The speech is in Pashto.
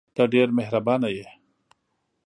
ته ډېره مهربانه یې !